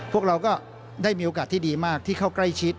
พวกเราก็ได้มีโอกาสที่ดีมากที่เข้าใกล้ชิด